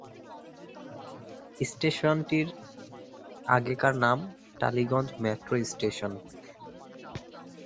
স্টেশনটির আগেকার নাম Tollygunge metro station.